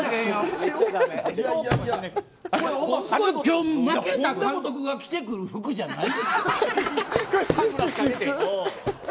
今日、負けた監督が着てくる服じゃない。